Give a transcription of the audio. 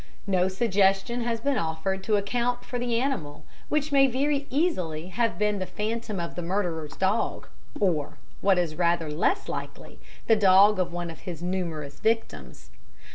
No suggestion has been offered to account for the animal, which may very easily have been the phantom of the murderer's dog, or, what is rather less likely, the dog of one of his numerous victims.